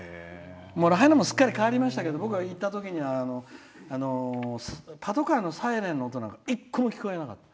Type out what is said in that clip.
ラハイナもすっかり変わりましたけど僕が行ったときにはパトカーのサイレンの音なんか一個も聞こえなかった。